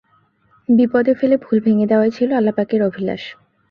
বিপদে ফেলে ভুল ভেঙ্গে দেয়াই ছিল আল্লাহ্ পাকের অভিলাষ।